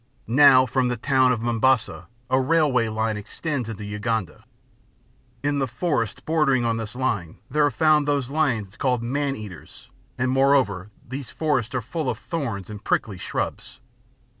Now from the town of Mombasa, a railway line extends unto Uganda; In the forests bordering on this line, there are found those lions called "man eaters," and moreover these forests are full of thorns and prickly shrubs.